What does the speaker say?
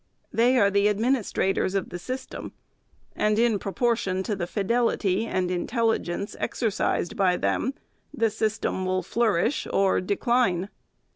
They are the administrators of the system ; and in proportion to the fidelity and intelli gence exercised by them, the system will flourish or de cline.